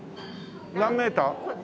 何メーター？